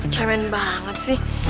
cemen banget sih